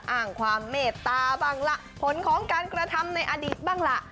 อ้างความเมตตาบ้างล่ะผลของการกระทำในอดีตบ้างล่ะ